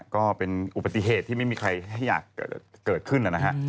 ก็เป็นอุบัติเหตุที่ไม่มีใครอยากเกิดขึ้นนะฮะ